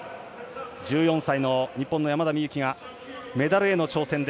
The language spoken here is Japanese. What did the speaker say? １４歳、日本の山田美幸がメダルへの挑戦。